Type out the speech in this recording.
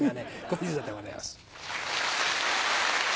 小遊三でございます。